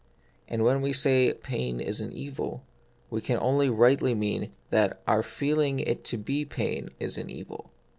And when we say pain is an evil, we can only rightly mean that our feeling it to be pain is an evil.